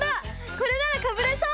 これならかぶれそう。